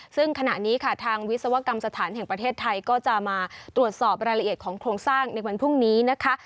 ซึ่งขณะนี้ค่ะทางวิศวกรรมสถานแห่งประเทศไทยก็จะมาตรวจสอบรายละเอียดของโครงสร้างในวันพรุ่งนี้นะคะ